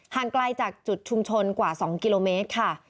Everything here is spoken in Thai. ไกลจากจุดชุมชนกว่า๒กิโลเมตรค่ะ